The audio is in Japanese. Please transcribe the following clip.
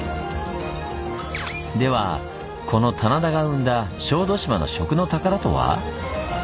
ではこの棚田が生んだ小豆島の「食の宝」とは？